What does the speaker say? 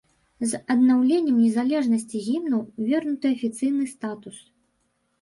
З аднаўленнем незалежнасці гімну вернуты афіцыйны статус.